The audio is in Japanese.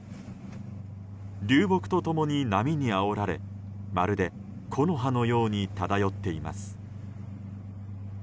流木と共に波にあおられ、まるで木の葉のように漂っています。